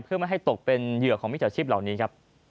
เพื่อไม่ให้ตกเป็นเหยื่อของมิจฉาชีพเหล่านี้ครับ